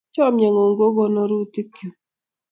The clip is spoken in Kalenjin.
Chamyengung ko konorutikyu